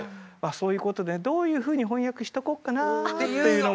そういうことで「どういうふうに翻訳しとこっかなぁ」っていうのも。